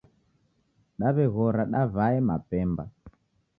Daw'eghora daw'ae mapemba.